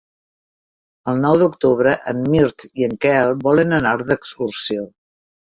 El nou d'octubre en Mirt i en Quel volen anar d'excursió.